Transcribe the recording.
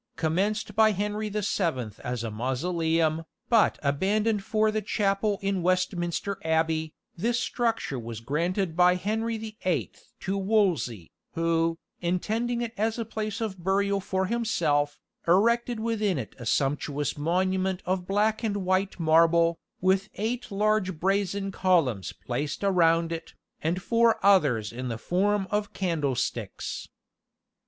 Commenced by Henry the Seventh as a mausoleum, but abandoned for the chapel in Westminster Abbey, this structure was granted by Henry the Eighth to Wolsey, who, intending it as a place of burial for himself, erected within it a sumptuous monument of black and white marble, with eight large brazen columns placed around it, and four others in the form of candlesticks.